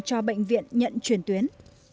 cho bệnh viện nhận chuyển tuyến